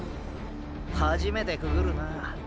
初めてくぐるな。